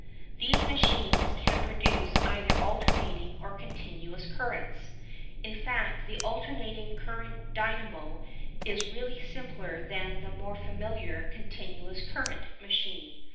These machines can produce either alternating or continuous currents, in fact the alternating current dynamo is really simpler than the more familiar continuous current machine.